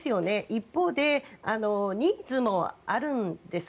一方でニーズもあるんです。